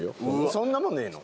そんなもんでええの？